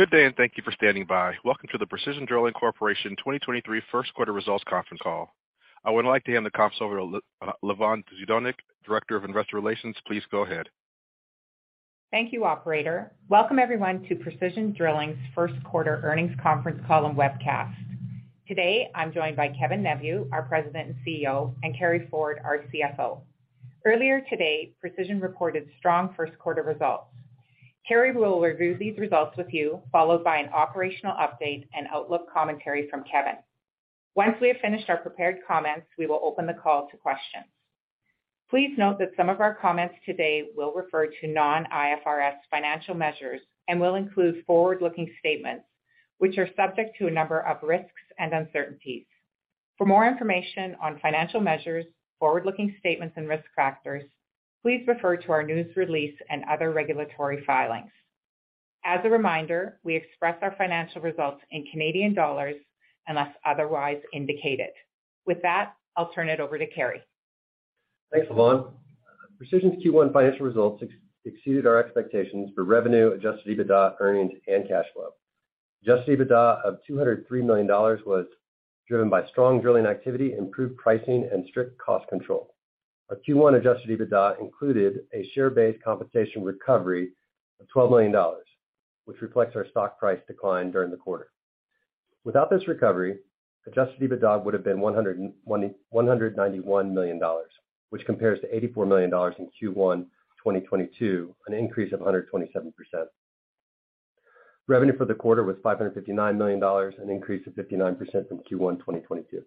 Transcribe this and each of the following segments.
Good day, and thank you for standing by. Welcome to the Precision Drilling Corporation 2023 first-quarter results conference call. I would like to hand the conf over to Lavonne Zdunich, Director of Investor Relations. Please go ahead. Thank you, operator. Welcome, everyone, to Precision Drilling's first-quarter earnings conference call and webcast. Today, I'm joined by Kevin Neveu, our President and CEO, and Carey Ford, our CFO. Earlier today, Precision reported strong first-quarter results. Carey will review these results with you, followed by an operational update and outlook commentary from Kevin. Once we have finished our prepared comments, we will open the call to questions. Please note that some of our comments today will refer to non-IFRS financial measures and will include forward-looking statements, which are subject to a number of risks and uncertainties. For more information on financial measures, forward-looking statements, and risk factors, please refer to our news release and other regulatory filings. As a reminder, we express our financial results in Canadian dollars unless otherwise indicated. With that, I'll turn it over to Carey. Thanks, Lavonne. Precision's Q1 financial results exceeded our expectations for revenue, Adjusted EBITDA, earnings, and cash flow. Adjusted EBITDA of $203 million was driven by strong drilling activity, improved pricing, and strict cost control. Our Q1 Adjusted EBITDA included a share-based compensation recovery of $12 million, which reflects our stock price decline during the quarter. Without this recovery, Adjusted EBITDA would have been $191 million, which compares to $84 million in Q1 2022, an increase of 127%. Revenue for the quarter was $559 million, an increase of 59% from Q1 2022.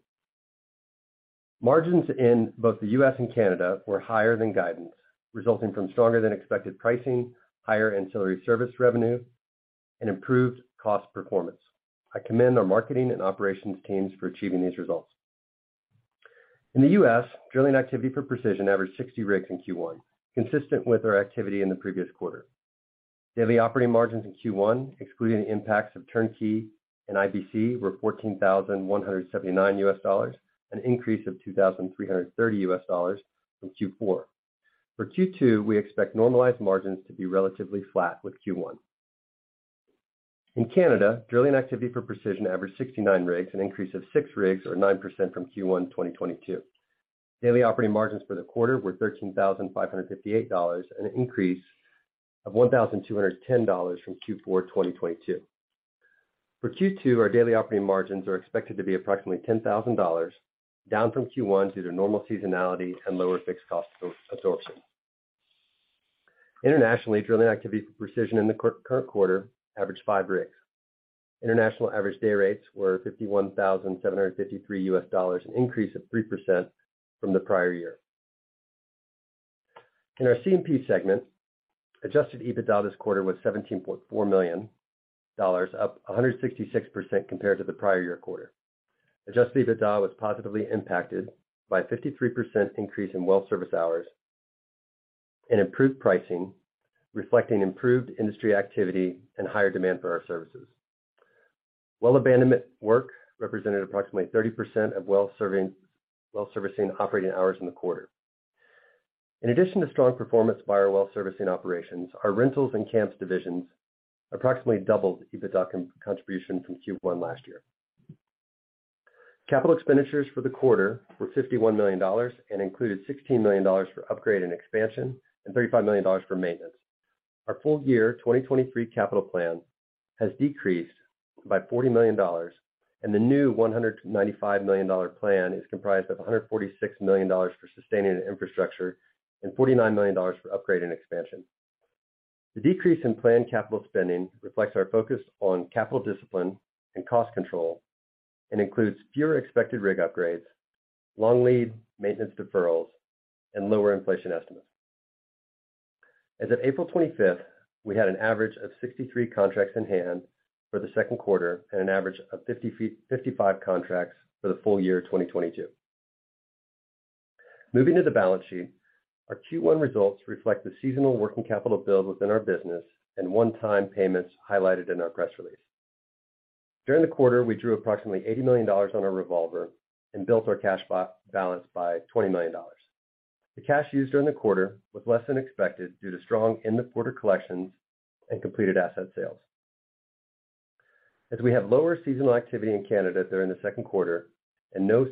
Margins in both the U.S. and Canada were higher than guidance, resulting from stronger than expected pricing, higher ancillary service revenue, and improved cost performance. I commend our marketing and operations teams for achieving these results. In the U.S., drilling activity for Precision averaged 60 rigs in Q1, consistent with our activity in the previous quarter. Daily operating margins in Q1, excluding the impacts of Turnkey and IBC, were $14,179, an increase of $2,330 from Q4. For Q2, we expect normalized margins to be relatively flat with Q1. In Canada, drilling activity for Precision averaged 69 rigs, an increase of 6 rigs or 9% from Q1 2022. Daily operating margins for the quarter were 13,558 dollars, an increase of 1,210 dollars from Q4 2022. For Q2, our daily operating margins are expected to be approximately $10,000, down from Q1 due to normal seasonality and lower fixed cost absorption. Internationally, drilling activity for Precision in the current quarter averaged 5 rigs. International average day rates were $51,753, an increase of 3% from the prior year. In our CMP segment, Adjusted EBITDA this quarter was $17.4 million, up 166% compared to the prior year quarter. Adjusted EBITDA was positively impacted by a 53% increase in well service hours and improved pricing, reflecting improved industry activity and higher demand for our services. Well abandonment work represented approximately 30% of well servicing operating hours in the quarter. In addition to strong performance by our well servicing operations, our rentals and camps divisions approximately doubled EBITDA contribution from Q1 last year. Capital expenditures for the quarter were 51 million dollars and included 16 million dollars for upgrades and expansions and 35 million dollars for maintenance. Our full-year 2023 capital plan has decreased by 40 million dollars. The new 195 million dollar plan is comprised of 146 million dollars for sustaining infrastructure and 49 million dollars for upgrade and expansion. The decrease in planned capital spending reflects our focus on capital discipline and cost control and includes fewer expected rig upgrades, long lead maintenance deferrals, and lower inflation estimates. As of April 25th, we had an average of 63 contracts in hand for Q2 and an average of 55 contracts for the full year 2022. Moving to the balance sheet, our Q1 results reflect the seasonal working capital build within our business and one-time payments highlighted in our press release. During the quarter, we drew approximately 80 million dollars on our revolver and built our cash balance by 20 million dollars. The cash used during the quarter was less than expected due to strong collections in the quarter and completed asset sales. We have lower seasonal activity in Canada during the second quarter and no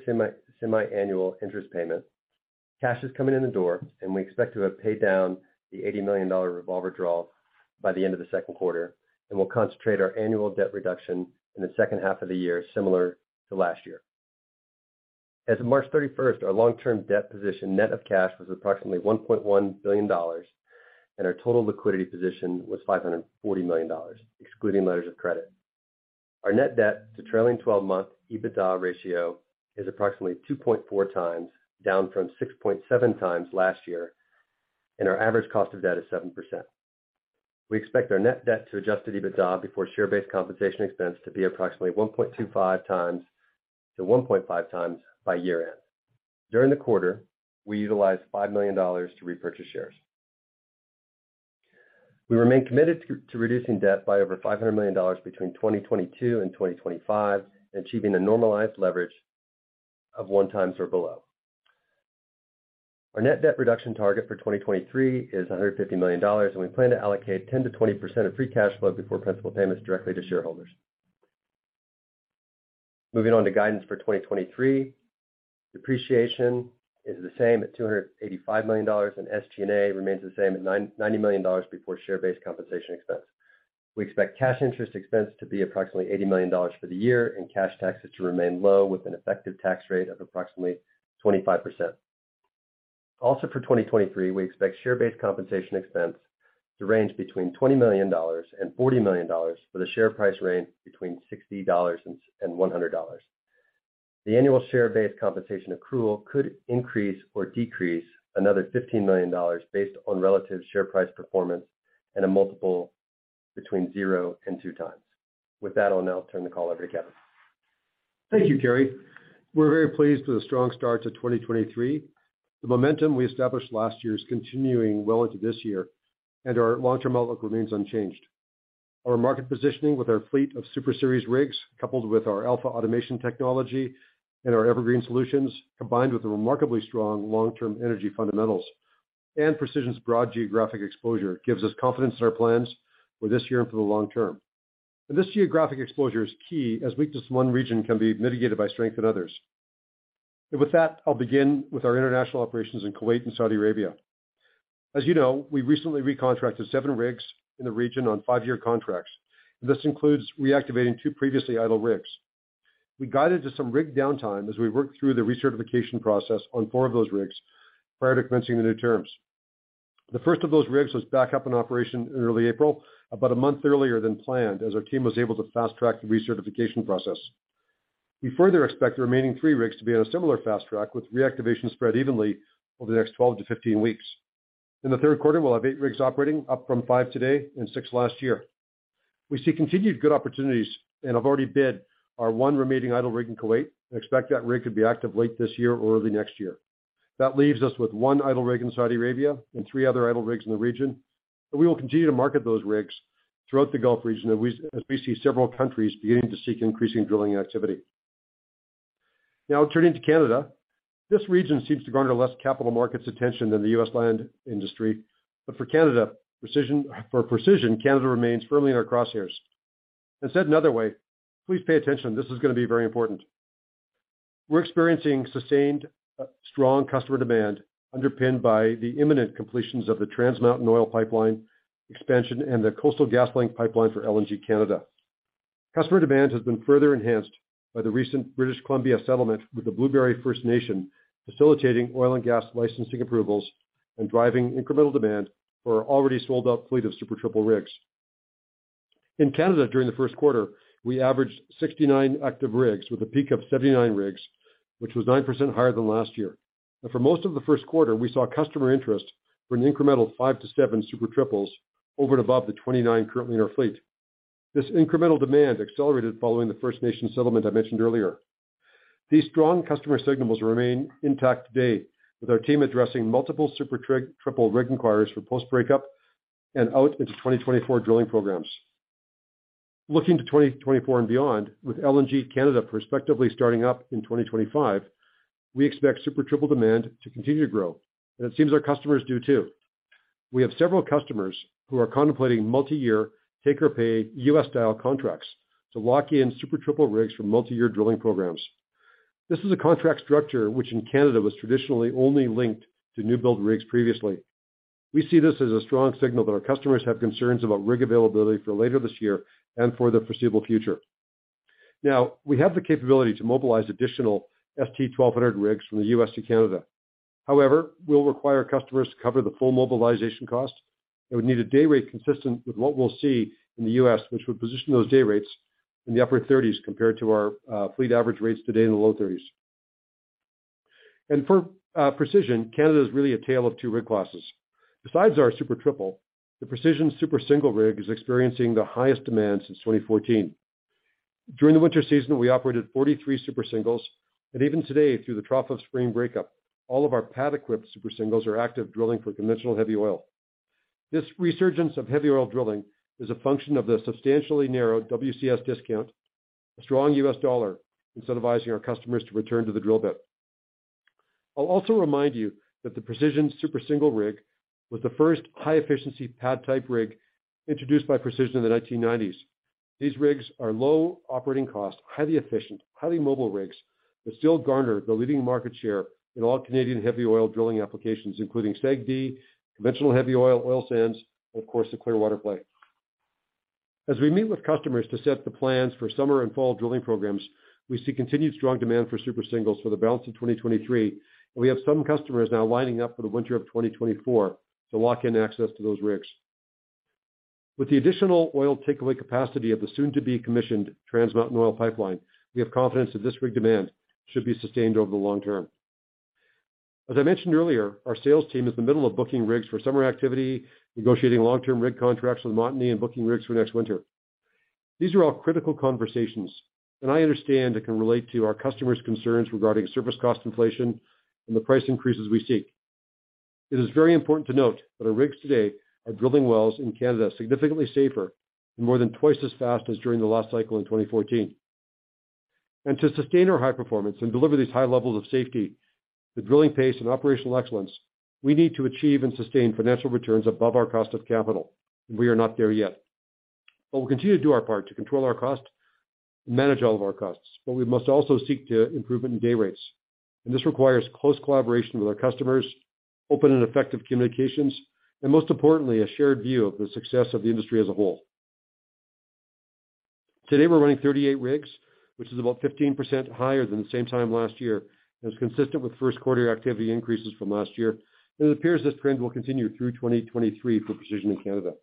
semi-annual interest payment, cash is coming in the door and we expect to have paid down the 80 million dollar revolver draw by the end of the second quarter and will concentrate our annual debt reduction in the second half of the year, similar to last year. As of March 31st, our long-term debt position, net of cash, was approximately 1.1 billion dollars, and our total liquidity position was 540 million dollars, excluding letters of credit. Our net debt to trailing 12-month EBITDA ratio is approximately 2.4x, down from 6.7x last year, and our average cost of debt is 7%. We expect our net debt to Adjusted EBITDA before share-based compensation expense to be approximately 1.25x to 1.5x by year-end. During the quarter, we utilized 5 million dollars to repurchase shares. We remain committed to reducing debt by over 500 million dollars between 2022 and 2025, achieving a normalized leverage of 1x or below. Our net debt reduction target for 2023 is 150 million dollars. We plan to allocate 10%-20% of free cash flow before principal payments directly to shareholders. Moving on to guidance for 2023. Depreciation is the same at 285 million dollars. SG&A remains the same at 90 million dollars before share-based compensation expense. We expect cash interest expense to be approximately 80 million dollars for the year. Cash taxes to remain low, with an effective tax rate of approximately 25%. Also, for 2023, we expect share-based compensation expense to range between 20 million dollars and 40 million dollars for the share price range between 60 dollars and 100 dollars. The annual share-based compensation accrual could increase or decrease by another 15 million dollars based on relative share price performance and a multiple between zero and 2x. With that, I'll now turn the call over to Kevin. Thank you, Carey. We're very pleased with the strong start to 2023. The momentum we established last year is continuing well into this year. Our long-term outlook remains unchanged. Our market positioning with our fleet of Super Series rigs, coupled with our AlphaAutomation technology and our EverGreen Solutions, combined with the remarkably strong long-term energy fundamentals and Precision's broad geographic exposure, gives us confidence in our plans for this year and for the long term. This geographic exposure is key, as weakness in one region can be mitigated by strength in others. With that, I'll begin with our international operations in Kuwait and Saudi Arabia. As you know, we recently recontracted seven rigs in the region on five-year contracts. This includes reactivating two previously idle rigs. We guided to some rig downtime as we worked through the recertification process on four of those rigs prior to commencing the new terms. The first of those rigs was back up in operation in early April, about a month earlier than planned, as our team was able to fast-track the recertification process. We further expect the remaining three rigs to be on a similar fast track, with reactivation spread evenly over the next 12-15 weeks. In the third quarter, we'll have eight rigs operating, up from five today and six last year. We see continued good opportunities and have already bid our one remaining idle rig in Kuwait and expect that rig to be active late this year or early next year. That leaves us with one idle rig in Saudi Arabia and three other idle rigs in the region. We will continue to market those rigs throughout the Gulf region as we see several countries beginning to seek increasing drilling activity. Turning to Canada. This region seems to garner less capital market attention than the U.S. land industry. For Canada, for Precision, Canada remains firmly in our crosshairs. Said another way, please pay attention. This is gonna be very important. We're experiencing sustained strong customer demand underpinned by the imminent completions of the Trans Mountain oil pipeline expansion and the Coastal GasLink pipeline for LNG Canada. Customer demand has been further enhanced by the recent British Columbia settlement with the Blueberry First Nation, facilitating oil and gas licensing approvals and driving incremental demand for our already sold-out fleet of Super Triple rigs. In Canada, during the first quarter, we averaged 69 active rigs with a peak of 79 rigs, which was 9% higher than last year. For most of the first quarter, we saw customer interest for an incremental five to seven Super Triples over and above the 29 currently in our fleet. This incremental demand accelerated following the First Nation settlement I mentioned earlier. These strong customer signals remain intact today, with our team addressing multiple Super Triple rig inquiries for post-breakup and out into 2024 drilling programs. Looking to 2024 and beyond, with LNG Canada prospectively starting up in 2025, we expect Super Triple demand to continue to grow, and it seems our customers do too. We have several customers who are contemplating multi-year take-or-pay U.S.-style contracts to lock in Super Triple rigs for multi-year drilling programs. This is a contract structure which in Canada was traditionally only linked to new-build rigs previously. We see this as a strong signal that our customers have concerns about rig availability for later this year and for the foreseeable future. We have the capability to mobilize additional ST-1200 rigs from the U.S. to Canada. We'll require customers to cover the full mobilization cost, and we need a day rate consistent with what we'll see in the U.S., which would position those day rates in the upper $30s compared to our fleet average rates today in the low CAD 30s. For Precision, Canada is really a tale of two rig classes. Besides our Super Triple, the Precision Super Single rig is experiencing the highest demand since 2014. During the winter season, we operated 43 Super Singles, and even today, through the trough of spring breakup, all of our pad-equipped Super Singles are active, drilling for conventional heavy oil. This resurgence of heavy oil drilling is a function of the substantially narrowed WCS discount, a strong U.S. dollar, incentivizing our customers to return to the drill bit. I'll also remind you that the Precision Super Single rig was the first high-efficiency pad-type rig introduced by Precision in the 1990s. These rigs are low operating cost, highly efficient, highly mobile rigs that still garner the leading market share in all Canadian heavy oil drilling applications, including SAGD, conventional heavy oil sands, and of course, the Clearwater play. As we meet with customers to set the plans for summer and fall drilling programs, we see continued strong demand for Super Singles for the balance of 2023, and we have some customers now lining up for the winter of 2024 to lock in access to those rigs. With the additional oil takeaway capacity of the soon-to-be-commissioned Trans Mountain oil pipeline, we have confidence that this rig demand should be sustained over the long term. As I mentioned earlier, our sales team is in the middle of booking rigs for summer activity, negotiating long-term rig contracts with Montney, and booking rigs for next winter. These are all critical conversations, and I understand and can relate to our customers' concerns regarding service cost inflation and the price increases we seek. It is very important to note that our rigs today are drilling wells in Canada significantly safer and more than twice as fast as during the last cycle in 2014. To sustain our high performance and deliver these high levels of safety, the drilling pace and operational excellence we need to achieve and sustain financial returns above our cost of capital, and we are not there yet. We'll continue to do our part to control our costs and manage all of our costs, but we must also seek to improve in day rates. This requires close collaboration with our customers, open and effective communications, and most importantly, a shared view of the success of the industry as a whole. Today, we're running 38 rigs, which is about 15% higher than the same time last year and is consistent with first-quarter activity increases from last year. It appears this trend will continue through 2023 for Precision in Canada.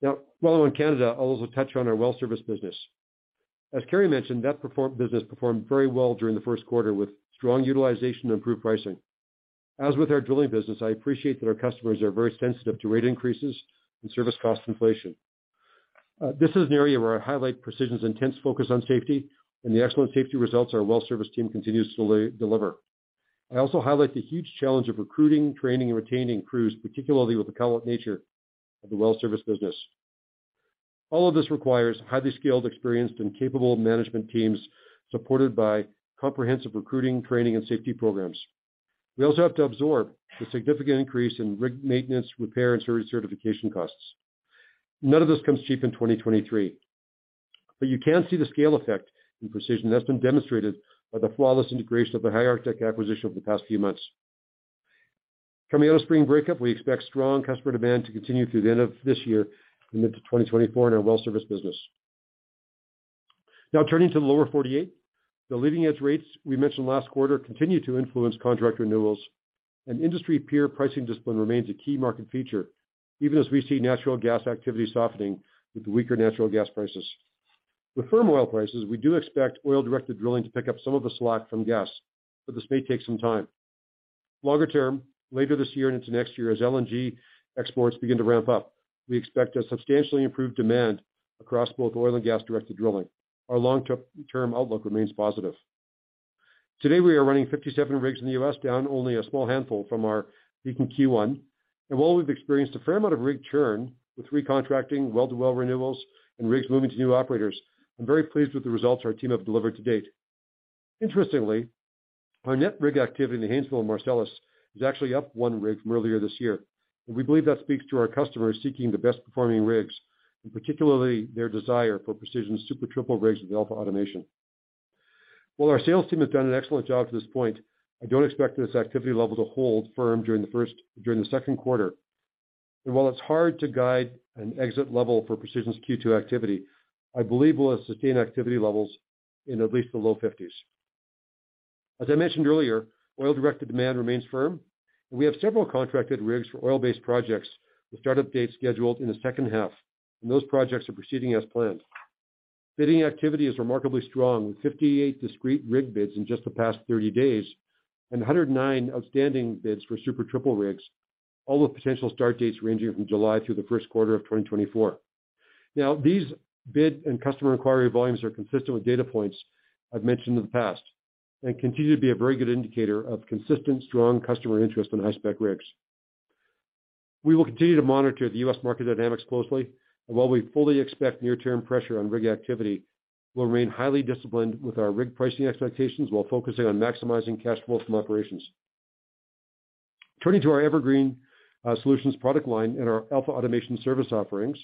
While we're in Canada, I'll also touch on our well service business. As Carey mentioned, the business performed very well during the first-quarter with strong utilization and improved pricing. With our drilling business, I appreciate that our customers are very sensitive to rate increases and service cost inflation. This is an area where I highlight Precision's intense focus on safety and the excellent safety results our well service team continues to deliver. I also highlight the huge challenge of recruiting, training, and retaining crews, particularly with the talent nature of the well service business. All of this requires highly skilled, experienced, and capable management teams supported by comprehensive recruiting, training, and safety programs. We also have to absorb the significant increase in rig maintenance, repair, and certification costs. None of this comes cheap in 2023, but you can see the scale effect in Precision that's been demonstrated by the flawless integration of the High Arctic acquisition over the past few months. Coming out of spring break-up, we expect strong customer demand to continue through the end of this year and into 2024 in our well service business. Turning to the lower 48, the leading-edge rates we mentioned last quarter continue to influence contract renewals, and industry peer pricing discipline remains a key market feature, even as we see natural gas activity softening with the weaker natural gas prices. With firm oil prices, we do expect oil-directed drilling to pick up some of the slack from gas, but this may take some time. Longer term, later this year and into next year as LNG exports begin to ramp up, we expect a substantially improved demand across both oil and gas-directed drilling. Our long-term, term outlook remains positive. Today, we are running 57 rigs in the U.S., down only a small handful from our leading Q1. While we've experienced a fair amount of rig churn with recontracting, well-to-well renewals, and rigs moving to new operators, I'm very pleased with the results our team have delivered to date. Interestingly, our net rig activity in the Haynesville and Marcellus is actually up one rig from earlier this yeare believe that speaks to our customers seeking the best performing rigs, particularly their desire for Precision Super Triple rigs with AlphaAutomation. While our sales team has done an excellent job to this point, I don't expect this activity level to hold firm during the second quarter. While it's hard to guide an exit level for Precision's Q2 activity, I believe we'll sustain activity levels in at least the low fifties. As I mentioned earlier, oil-directed demand remains firm, we have several contracted rigs for oil-based projects with start-up dates scheduled in the second half, and those projects are proceeding as planned. Bidding activity is remarkably strong, with 58 discrete rig bids in just the past 30 days and 109 outstanding bids for Super Triple rigs, all with potential start dates ranging from July through the first-quarter of 2024. These bid and customer inquiry volumes are consistent with data points I've mentioned in the past and continue to be a very good indicator of consistent, strong customer interest in high-spec rigs. We will continue to monitor the U.S. market dynamics closely, and while we fully expect near-term pressure on rig activity, we'll remain highly disciplined with our rig pricing expectations while focusing on maximizing cash flow from operations. Turning to our EverGreen Solutions product line and our AlphaAutomation service offerings,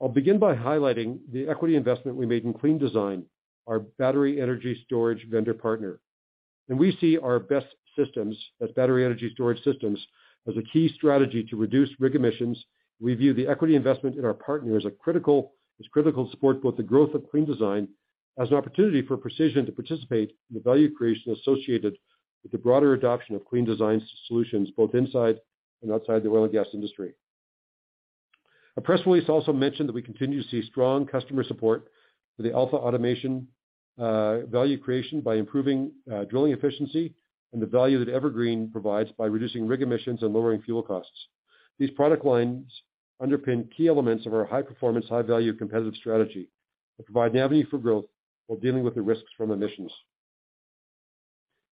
I'll begin by highlighting the equity investment we made in CleanDesign, our battery energy storage vendor partner. We see our BESS systems as battery energy storage systems as a key strategy to reduce rig emissions. We view the equity investment in our partner as critical to support both the growth of CleanDesign as an opportunity for Precision to participate in the value creation associated with the broader adoption of CleanDesign solutions both inside and outside the oil and gas industry. Our press release also mentioned that we continue to see strong customer support for the AlphaAutomation value creation by improving drilling efficiency and the value that EverGreen provides by reducing rig emissions and lowering fuel costs. These product lines underpin key elements of our high-performance, high-value competitive strategy that provide an avenue for growth while dealing with the risks from emissions.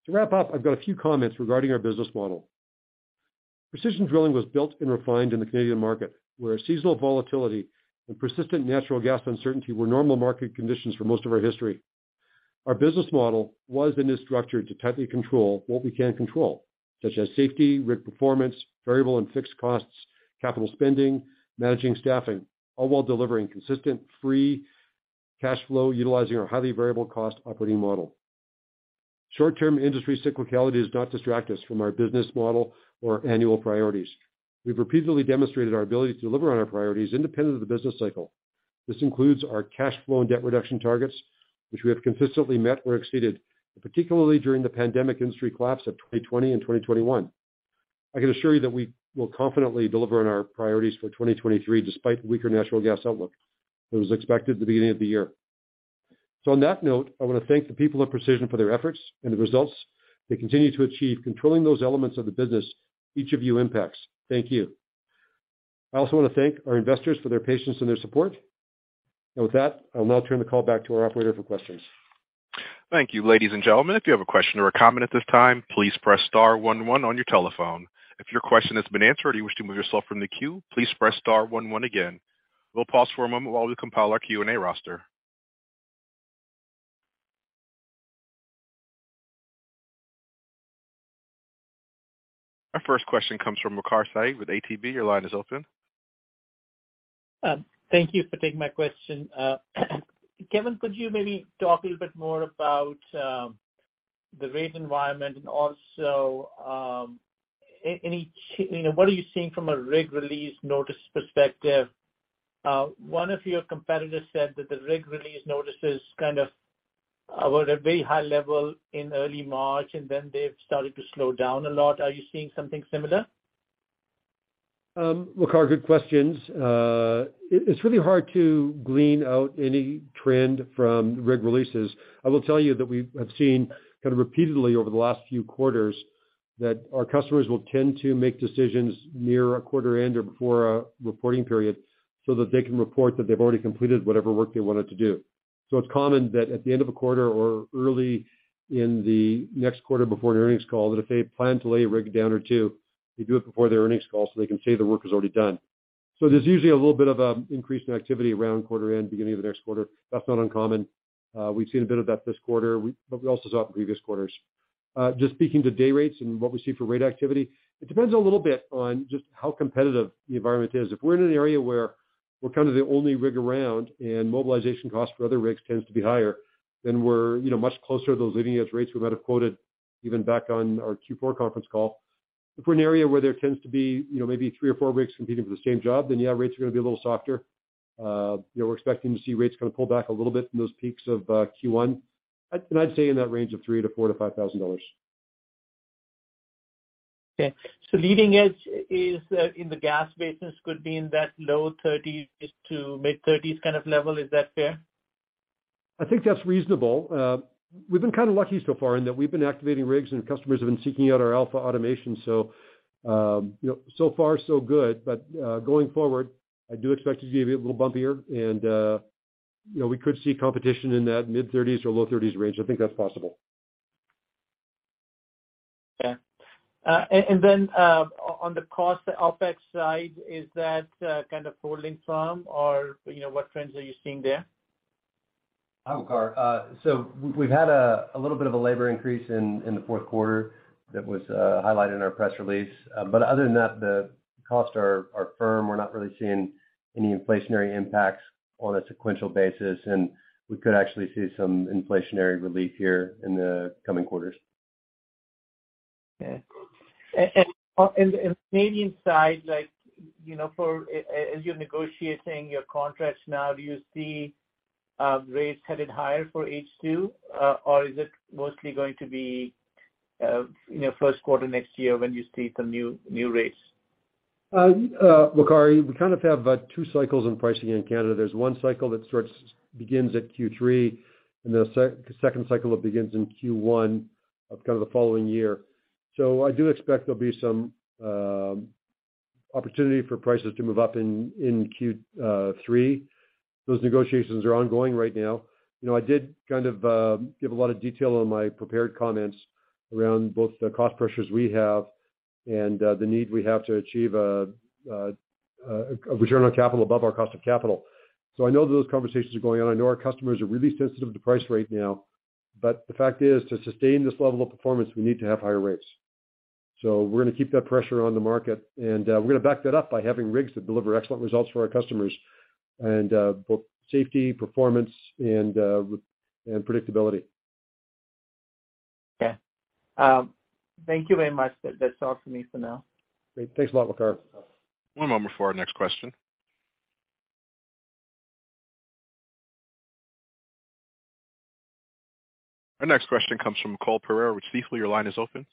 To wrap up, I've got a few comments regarding our business model. Precision Drilling was built and refined in the Canadian market, where seasonal volatility and persistent natural gas uncertainty were normal market conditions for most of our history. Our business model was and is structured to tightly control what we can control, such as safety, rig performance, variable and fixed costs, capital spending, managing staffing, all while delivering consistent free cash flow utilizing our highly variable cost operating model. Short-term industry cyclicality has not distracted us from our business model or annual priorities. We've repeatedly demonstrated our ability to deliver on our priorities independent of the business cycle. This includes our cash flow and debt reduction targets, which we have consistently met or exceeded, particularly during the pandemic industry collapse of 2020 and 2021. I can assure you that we will confidently deliver on our priorities for 2023 despite a weaker natural gas outlook that was expected at the beginning of the year. On that note, I wanna thank the people at Precision for their efforts and the results they continue to achieve in controlling those elements of the business each of you impacts. Thank you. I also wanna thank our investors for their patience and their support. With that, I'll now turn the call back to our operator for questions. Thank you. Ladies and gentlemen, if you have a question or a comment at this time, please press star one one on your telephone. If your question has been answered or you wish to move yourself from the queue, please press star one one again. We'll pause for a moment while we compile our Q&A roster. Our first question comes from Waqar Syed with ATB. Your line is open. Thank you for taking my question. Kevin, could you maybe talk a little bit more about the rate environment and also, you know, what are you seeing from a rig release notice perspective? One of your competitors said that the rig release notices kind of were at a very high level in early March, and then they've started to slow down a lot. Are you seeing something similar? Waqar, good questions. It's really hard to glean out any trend from rig releases. I will tell you that we have seen kind of repeatedly over the last few quarters that our customers will tend to make decisions near a quarter end or before a reporting period so that they can report that they've already completed whatever work they wanted to do. It's common that at the end of a quarter or early in the next quarter before an earnings call, that if they plan to lay a rig down or two, they do it before their earnings call so they can say the work is already done. There's usually a little bit of increase in activity around quarter end, beginning of the next quarter. That's not uncommon. We've seen a bit of that this quarter. We also saw it in previous quarters. Just speaking to day rates and what we see for rate activity, it depends a little bit on just how competitive the environment is. If we're in an area where we're kind of the only rig around and mobilization costs for other rigs tends to be higher, then we're, you know, much closer to those leading edge rates we might have quoted even back on our Q4 conference call. If we're in an area where there tends to be, you know, maybe three or four rigs competing for the same job, then yeah, rates are gonna be a little softer. You know, we're expecting to see rates kind of pull back a little bit from those peaks of Q1. I'd say in that range of 3,000 to 4,000 to 5,000 dollars. Okay. leading edge is, in the gas basis could be in that low 30s-mid-30s kind of level. Is that fair? I think that's reasonable. We've been kind of lucky so far in that we've been activating rigs and customers have been seeking out our AlphaAutomation. You know, so far so good. Going forward, I do expect it to be a bit little bumpier and, you know, we could see competition in that mid-30s or low 30s range. I think that's possible. Okay. On the cost OpEx side, is that kind of holding firm or, you know, what trends are you seeing there? Hi, Waqar. We've had a little bit of a labor increase in the fourth quarter that was highlighted in our press release. Other than that, the costs are firm. We're not really seeing any inflationary impacts on a sequential basis, and we could actually see some inflationary relief here in the coming quarters. The Canadian side, like, you know, as you're negotiating your contracts now, do you see rates headed higher for H2? Or is it mostly going to be, you know, first quarter next year when you see some new rates? Waqar, we kind of have two cycles in pricing in Canada. There's one cycle that begins at Q3, and the second cycle that begins in Q1 of kind of the following year. I do expect there'll be some opportunity for prices to move up in Q three. Those negotiations are ongoing right now. You know, I did kind of give a lot of detail on my prepared comments around both the cost pressures we have and the need we have to achieve a return on capital above our cost of capital. I know those conversations are going on. I know our customers are really sensitive to price right now. The fact is, to sustain this level of performance, we need to have higher rates. We're gonna keep that pressure on the market and, we're gonna back that up by having rigs that deliver excellent results for our customers and, both safety, performance and predictability. Okay. Thank you very much. That's all for me for now. Great. Thanks a lot, Waqar. One moment before our next question. Our next question comes from Cole Pereira with Stifel. Your line is open.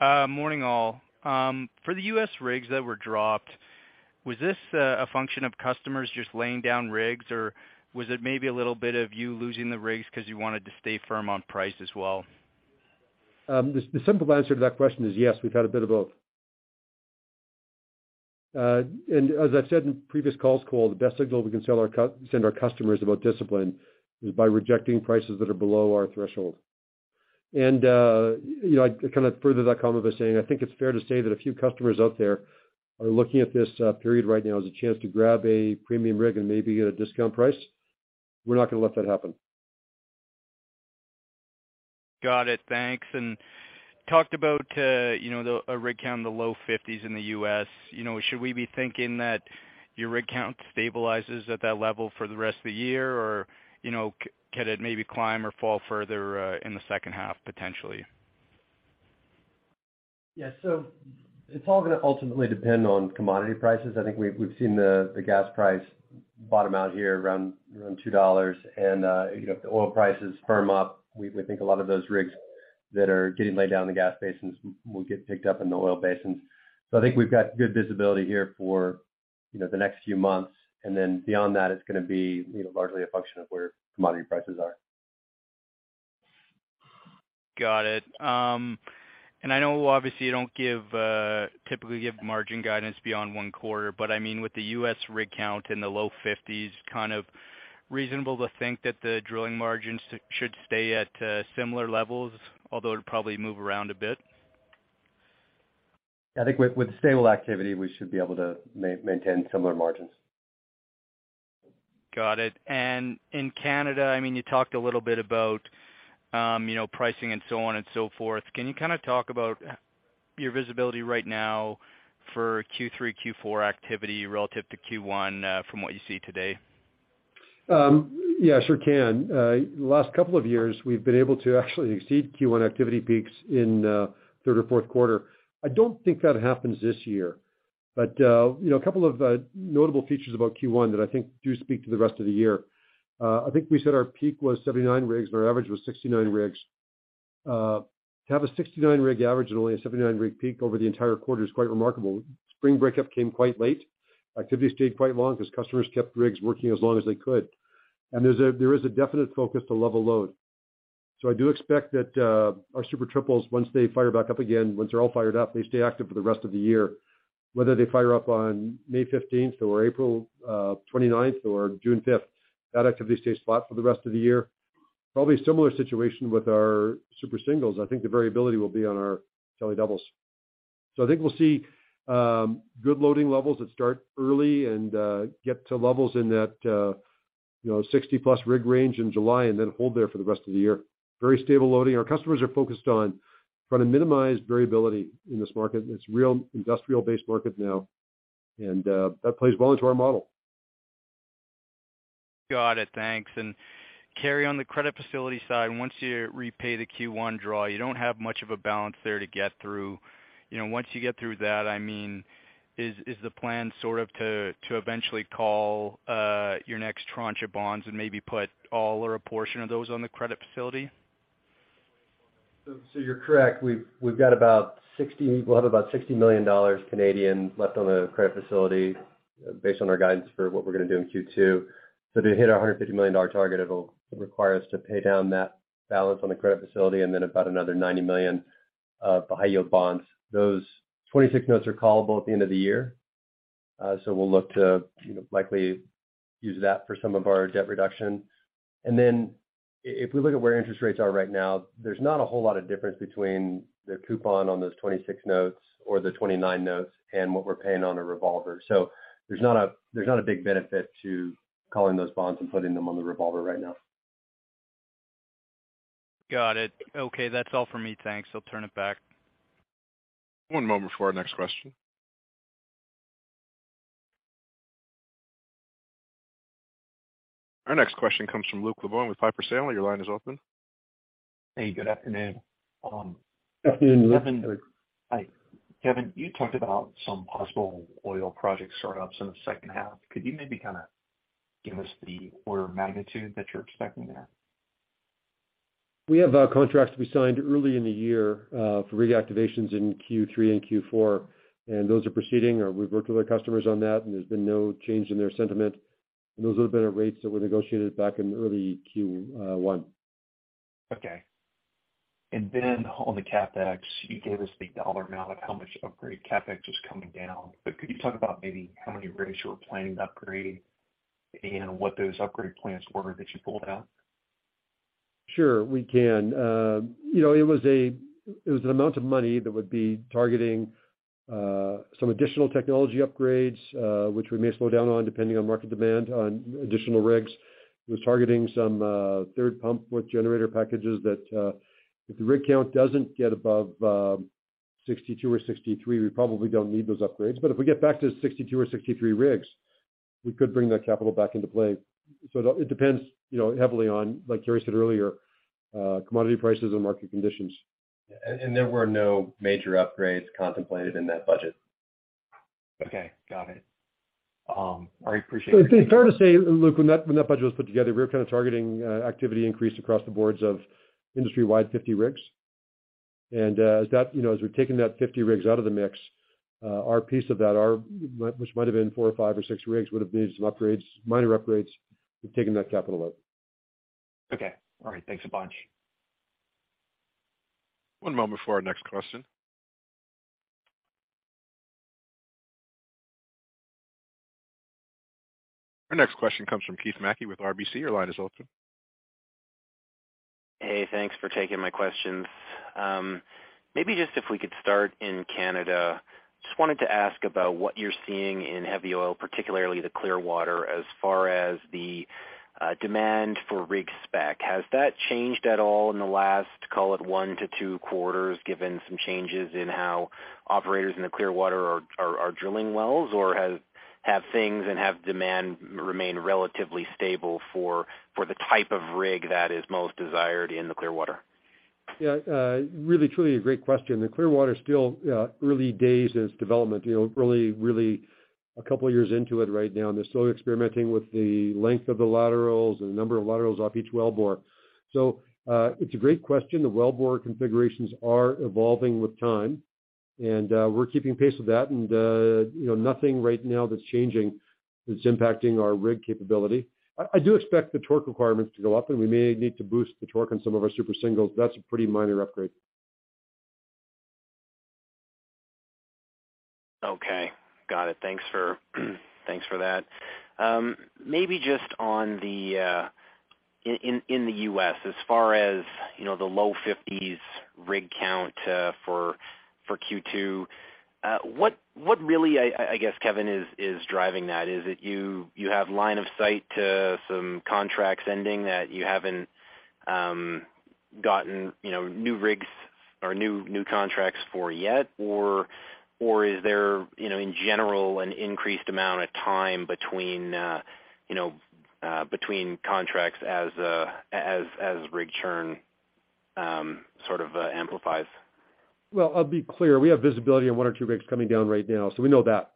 Morning, all. For the U.S. rigs that were dropped, was this a function of customers just laying down rigs, or was it maybe a little bit of you losing the rigs 'cause you wanted to stay firm on price as well? The simple answer to that question is yes, we've had a bit of both. As I've said in previous calls, Cole, the best signal we can send our customers about discipline is by rejecting prices that are below our threshold. You know, I kind of further that comment by saying, I think it's fair to say that a few customers out there are looking at this period right now as a chance to grab a premium rig and maybe get a discount price. We're not gonna let that happen. Got it. Thanks. Talked about, you know, our rig count in the low 50s in the U.S. You know, should we be thinking that your rig count stabilizes at that level for the rest of the year? Or, you know, could it maybe climb or fall further in the second half, potentially? It's all gonna ultimately depend on commodity prices. I think we've seen the gas price bottom out here around $2. You know, if the oil prices firm up, we think a lot of those rigs that are getting laid down in the gas basins will get picked up in the oil basins. I think we've got good visibility here for, you know, the next few months. Then beyond that, it's gonna be, you know, largely a function of where commodity prices are. Got it. I know obviously you don't give, typically give margin guidance beyond one quarter, but I mean, with the U.S. rig count in the low 50s, kind of reasonable to think that the drilling margins should stay at similar levels, although it'll probably move around a bit? I think with stable activity, we should be able to maintain similar margins. Got it. In Canada, I mean, you talked a little bit about, you know, pricing and so on and so forth. Can you kinda talk about your visibility right now for Q3, Q4 activity relative to Q1 from what you see today? Yeah, sure can. The last couple of years, we've been able to actually exceed Q1 activity peaks in third or fourth quarter. I don't think that happens this year, but, you know, a couple of notable features about Q1 that I think do speak to the rest of the year. I think we said our peak was 79 rigs, and our average was 69 rigs. To have a 69 rig average and only a 79 rig peak over the entire quarter is quite remarkable. Spring breakup came quite late. Activity stayed quite long because customers kept rigs working as long as they could. There is a definite focus to level load. I do expect that our Super Triples once they fire back up again, once they're all fired up, they stay active for the rest of the year. Whether they fire up on May 15th or April 29th or June 5th, that activity stays flat for the rest of the year. Probably a similar situation with our Super Singles. I think the variability will be on our Kelly doubles. I think we'll see good loading levels that start early and get to levels in that, you know, 60-plus rig range in July and then hold there for the rest of the year. Very stable loading. Our customers are focused on trying to minimize variability in this market. It's real industrial-based market now, and that plays well into our model. Got it. Thanks. Carey, on the credit facility side, once you repay the Q1 draw, you don't have much of a balance there to get through. You know, once you get through that, I mean, is the plan sort of to eventually call your next tranche of bonds and maybe put all or a portion of those on the credit facility? You're correct. We'll have about 60 million dollars left on the credit facility based on our guidance for what we're going to do in Q2. To hit our 150 million dollar target, it'll require us to pay down that balance on the credit facility and then about another 90 million of the high yield bonds. Those 2026 Notes are callable at the end of the year. We'll look to, you know, likely use that for some of our debt reduction. If we look at where interest rates are right now, there's not a whole lot of difference between the coupon on those 2026 Notes or the 2029 Notes and what we're paying on a revolver. There's not a big benefit to calling those bonds and putting them on the revolver right now. Got it. Okay. That's all for me. Thanks. I'll turn it back. One moment for our next question. Our next question comes from Luke Lemoine with Piper Sandler. Your line is open. Hey, good afternoon. Afternoon, Luke. Kevin. Hi. Kevin, you talked about some possible oil project startups in the second half. Could you maybe kinda give us the order of magnitude that you're expecting there? We have contracts to be signed early in the year, for reactivations in Q3 and Q4. Those are proceeding. We've worked with our customers on that, and there's been no change in their sentiment. Those are the better rates that were negotiated back in early Q1. Okay. On the CapEx, you gave us the dollar amount of how much the upgrade CapEx is coming down. Could you talk about maybe how many rigs you were planning to upgrade and what those upgraded plans were that you pulled out? Sure, we can. You know, it was an amount of money that would be targeting some additional technology upgrades, which we may slow down on depending on market demand on additional rigs. It was targeting some third pump with generator packages that if the rig count doesn't get above 62 or 63, we probably don't need those upgrades. If we get back to 62 or 63 rigs, we could bring that capital back into play. It, it depends, you know, heavily on, like Carey said earlier, commodity prices and market conditions. Yeah. There were no major upgrades contemplated in that budget. Okay. Got it. All right. Appreciate. It'd be fair to say, Luke, when that, when that budget was put together, we were kind of targeting an activity increase across the board of industry-wide 50 rigs. As that, you know, as we've taken those 50 rigs out of the mix, our piece of that which might have been four or five or six rigs, would have been some upgrades, minor upgrades. We've taken that capital out. Okay. All right. Thanks a bunch. One moment for our next question. Our next question comes from Keith Mackey with RBC. Your line is open. Hey, thanks for taking my questions. Maybe just if we could start in Canada. Just wanted to ask about what you're seeing in heavy oil, particularly the Clearwater, as far as the demand for rig spec. Has that changed at all in the last, call it one to two quarters, given some changes in how operators in the Clearwater are drilling wells, or have things and have demand remain relatively stable for the type of rig that is most desired in the Clearwater? Really truly a great question. The Clearwater is still early days in its development, you know, really a couple of years into it right now. They're still experimenting with the length of the laterals and the number of laterals off each wellbore. It's a great question. The wellbore configurations are evolving with time, and we're keeping pace with that and, you know, nothing right now that's changing that's impacting our rig capability. I do expect the torque requirements to go up, and we may need to boost the torque on some of our Super Singles. That's a pretty minor upgrade. Okay. Got it. Thanks for .that. Maybe just on the U.S., as far as, you know, the low 50s rig count for Q2, what really I guess, Kevin, is driving that? Is it you have line of sight to some contracts ending that you haven't gotten, you know, new rigs or new contracts for yet? Or is there, you know, in general, an increased amount of time between, you know, between contracts as rig churn sort of amplifies? Well, I'll be clear. We have visibility on one or two rigs coming down right now. We know that.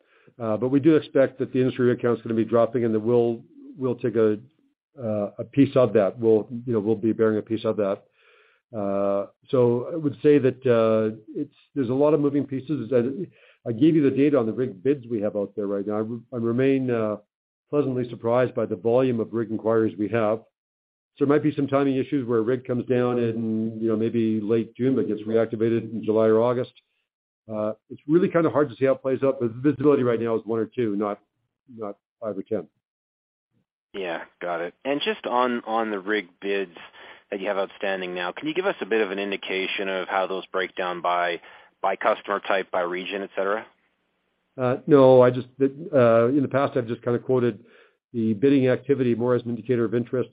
We do expect that the industry rig count's going to be dropping and that we'll take a piece of that. We'll, you know, we'll be bearing a piece of that. I would say that there's a lot of moving pieces. I gave you the data on the rig bids we have out there right now. I remain pleasantly surprised by the volume of rig inquiries we have. There might be some timing issues where a rig comes down in, you know, maybe late June, but gets reactivated in July or August. It's really kind of hard to see how it plays out, but the visibility right now is one or two, not five or 10. Yeah. Got it. Just on the rig bids that you have outstanding now, can you give us a bit of an indication of how those break down by customer type, by region, et cetera? No. I just in the past, I've just kind of quoted the bidding activity more as an indicator of interest.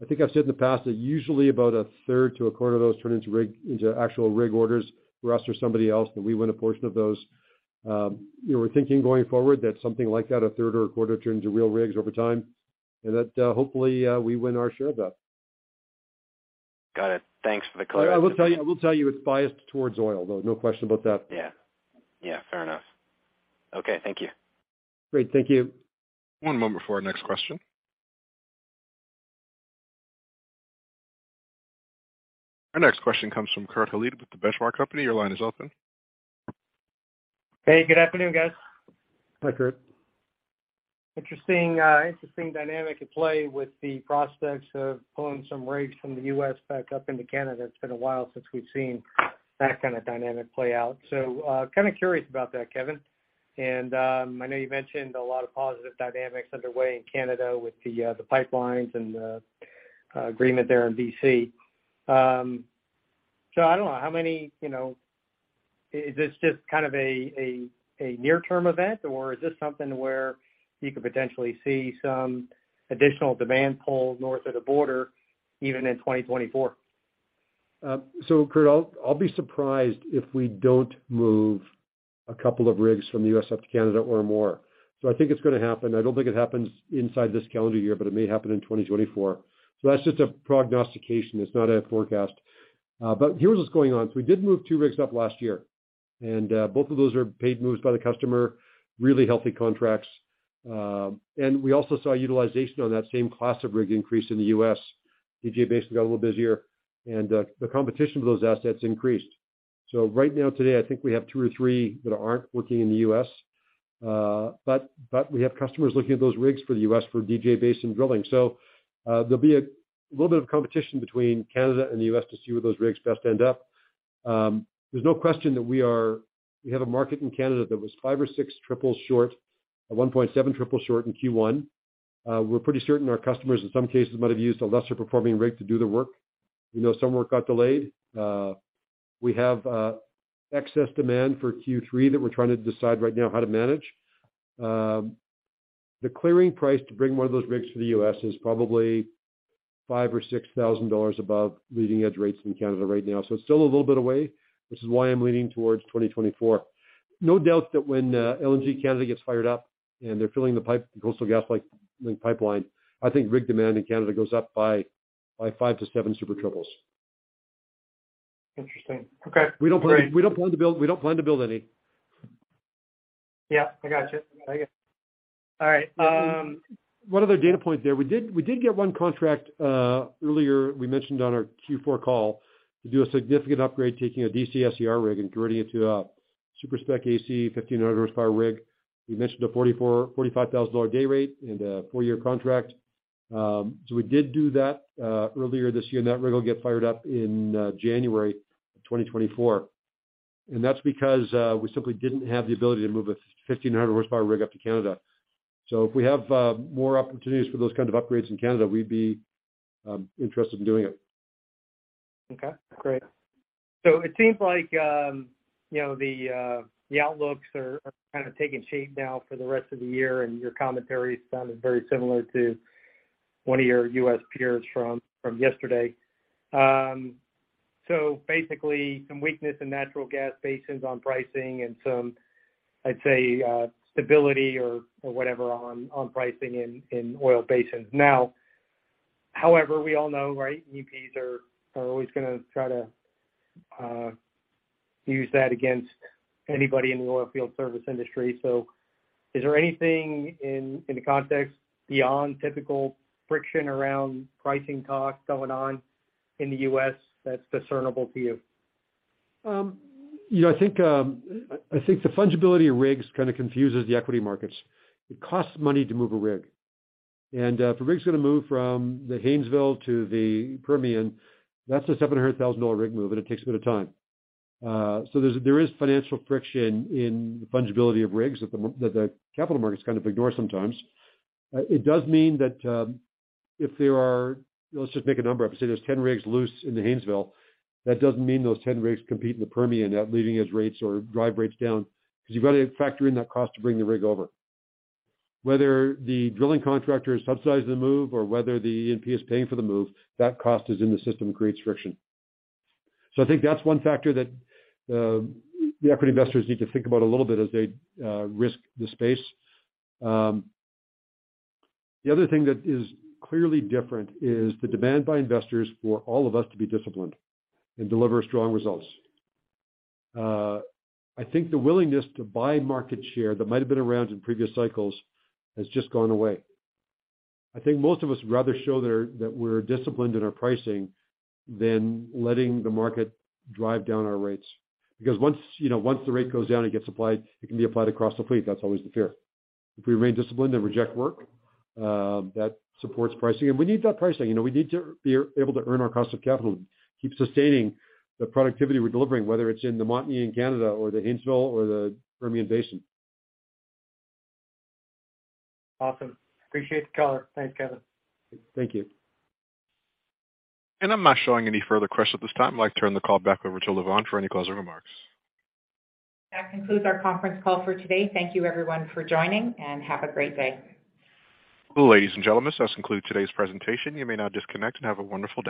I think I've said in the past that usually about a third to a quarter of those turn into actual rig orders for us or somebody else, and we win a portion of those. you know, we're thinking going forward that something like that, a third or a quarter turn into real rigs over time, and that, hopefully, we win our share of that. Got it. Thanks for the clarity. I will tell you it's biased towards oil, though. No question about that. Yeah. Yeah, fair enough. Okay, thank you. Great. Thank you. One moment for our next question. Our next question comes from Kurt Hallead with The Benchmark Company. Your line is open. Hey, good afternoon, guys. Hi, Kurt. Interesting, interesting dynamic at play with the prospects of pulling some rigs from the U.S. back up into Canada. It's been a while since we've seen that kind of dynamic play out. Kind of curious about that, Kevin. I know you mentioned a lot of positive dynamics underway in Canada with the pipelines and the agreement there in B.C. I don't know, how many, you know... Is this just kind of a near-term event, or is this something where you could potentially see some additional demand pull north of the border even in 2024? Kurt, I'll be surprised if we don't move a couple of rigs from the U.S. up to Canada or more. I think it's gonna happen. I don't think it happens inside this calendar year, but it may happen in 2024. That's just a prognostication. It's not a forecast. Here's what's going on. We did move two rigs up last year, and both of those are paid moves by the customer, really healthy contracts. And we also saw utilization on that same class of rig increase in the U.S. DJ Basin got a little busier, and the competition for those assets increased. Right now, today, I think we have two or three that aren't working in the U.S., but we have customers looking at those rigs for the U.S. for the DJ Basin drilling. There'll be a little bit of competition between Canada and the U.S. to see where those rigs best end up. There's no question that we have a market in Canada that was five or six triples short, one point seven triples short in Q1. We're pretty certain our customers in some cases, might have used a lesser-performing rig to do the work. We know some work got delayed. We have excess demand for Q3 that we're trying to decide right now how to manage. The clearing price to bring one of those rigs to the U.S. is probably 5,000-6,000 dollars above leading-edge rates in Canada right now. It's still a little bit away, which is why I'm leaning towards 2024. No doubt that when LNG Canada gets fired up, and they're filling the pipe, the Coastal GasLink pipeline, I think rig demand in Canada goes up by five to seven Super Triples. Interesting. Okay. Great. We don't plan to build any. Yeah, I got you. Thank you. All right. One other data point there. We did get one contract earlier, we mentioned on our Q4 call, to do a significant upgrade, taking a DC SCR rig and turning it to a super-spec AC 1,500-horsepower rig. We mentioned a 44,000-45,000 dollar day rate and a four-year contract. We did do that earlier this year, and that rig will get fired up in January 2024. That's because we simply didn't have the ability to move a 1,500-horsepower rig up to Canada. If we have more opportunities for those kind of upgrades in Canada, we'd be interested in doing it. It seems like, you know, the outlooks are kind of taking shape now for the rest of the year, and your commentary sounded very similar to one of your U.S. peers from yesterday. Basically, some weakness in natural gas basins on pricing and some, I'd say, stability or whatever on pricing in oil basins. Now, however, we all know, right, E&Ps are always gonna try to use that against anybody in the oilfield service industry. Is there anything in the context beyond typical friction around pricing costs going on in the U.S. that's discernible to you? You know, I think the fungibility of rigs kind of confuses the equity markets. It costs money to move a rig. If a rig's gonna move from the Haynesville to the Permian, that's a $700,000 rig move, and it takes a bit of time. There is financial friction in the fungibility of rigs that the capital markets kind of ignore sometimes. It does mean that if there are 10 rigs loose in the Haynesville, that doesn't mean those 10 rigs compete in the Permian, leaving us rates or drive rates down, 'cause you've gotta factor in that cost to bring the rig over. Whether the drilling contractor is subsidizing the move or whether the E&Ps is paying for the move, that cost is in the system, creates friction. I think that's one factor that the equity investors need to think about a little bit as they risk the space. The other thing that is clearly different is the demand by investors for all of us to be disciplined and deliver strong results. I think the willingness to buy market share that might have been around in previous cycles has just gone away. I think most of us would rather show that we're disciplined in our pricing than letting the market drive down our rates. Because once, you know, once the rate goes down, it gets applied, it can be applied across the fleet. That's always the fear. If we remain disciplined and reject work, that supports pricing. We need that pricing. You know, we need to be able to earn our cost of capital, keep sustaining the productivity we're delivering, whether it's in the Montney in Canada or the Haynesville or the Permian Basin. Awesome. Appreciate the color. Thanks, Kevin. Thank you. I'm not showing any further questions at this time. I'd like to turn the call back over to Lavonne for any closing remarks. That concludes our conference call for today. Thank you everyone for joining, and have a great day. Ladies and gentlemen, this does conclude today's presentation. You may now disconnect and have a wonderful day.